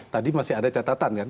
tadi masih ada catatan kan